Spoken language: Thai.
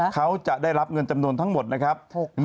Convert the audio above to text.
เขาจะได้รับเงินจำนวนทั้งหมดนะครับ